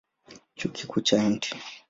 Chuo Kikuu cha Mt.